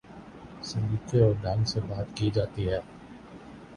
سلیقے اور ڈھنگ سے بات کی جاتی ہے۔